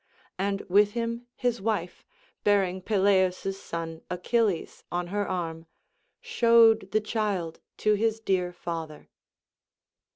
And with him his wife, bearing Peleus' son Achilles on her arm, showed the child to his dear father.